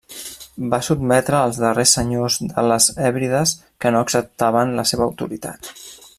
Va sotmetre els darrers senyors de les Hèbrides que no acceptaven la seva autoritat.